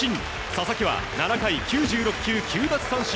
佐々木は７回９６球９奪三振